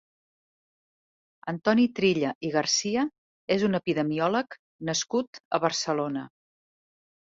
Antoni Trilla i García és un epidemiòleg nascut a Barcelona.